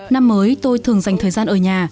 năm mới tôi thường dành thời gian ở nhà